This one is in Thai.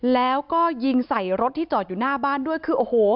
แล้วก็ยิงใส่รถที่จอดอยู่หน้าบ้านด้วยคือโอ้โห